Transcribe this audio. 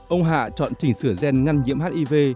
ông hạ chọn chỉnh sửa gen ngăn nhiễm hiv